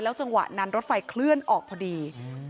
จังหวะนั้นรถไฟเคลื่อนออกพอดี